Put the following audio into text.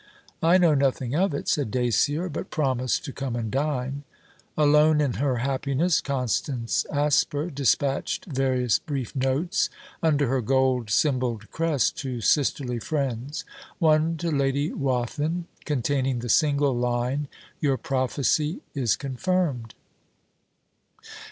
'I know nothing of it,' said Dacier, but promised to come and dine. Alone in her happiness Constance Asper despatched various brief notes under her gold symbolled crest to sisterly friends; one to Lady Wathin, containing the single line: 'Your prophesy is confirmed.'